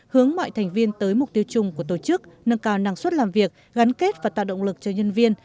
hướng mọi thành viên tới mục tiêu chung của tổ chức nâng cao năng suất làm việc gắn kết và tạo động lực cho nhân viên